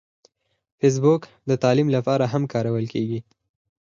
فېسبوک د تعلیم لپاره هم کارول کېږي